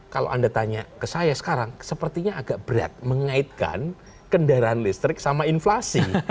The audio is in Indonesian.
kalau anda tanya ke saya sekarang sepertinya agak berat mengaitkan kendaraan listrik sama inflasi